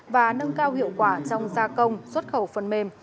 và nâng cao hiệu quả trong gia công xuất khẩu phần mềm